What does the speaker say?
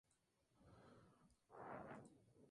No lo soy... ¡Tomen!